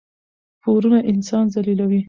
پورونه انسان ذلیلوي.